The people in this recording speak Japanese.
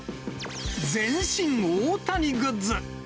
全身大谷グッズ。